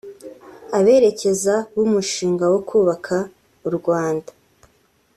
Aberekeza b’umushinga wo kubaka u Rwanda